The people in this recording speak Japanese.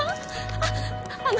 あっあの。